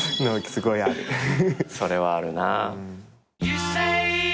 それはあるなぁ。